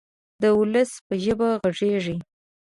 د ولس په ژبه غږیږي.